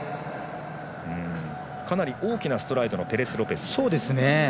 かなり大きなストライドのペレスロペス。